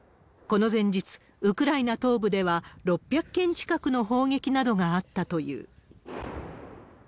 この前日、ウクライナ東部では６００件近くの砲撃などがあったという。